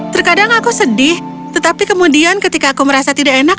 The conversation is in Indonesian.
terkadang aku sedih tetapi kemudian ketika aku merasa tidak enak